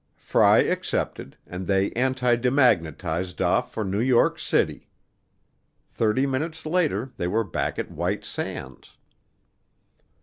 Fry accepted and they antidemagnetized off for New York City. Thirty minutes later they were back at White Sands.